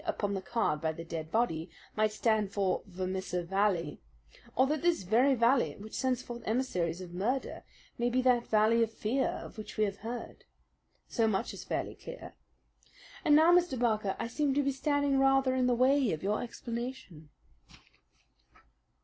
upon the card by the dead body might stand for Vermissa Valley, or that this very valley which sends forth emissaries of murder may be that Valley of Fear of which we have heard. So much is fairly clear. And now, Mr. Barker, I seem to be standing rather in the way of your explanation."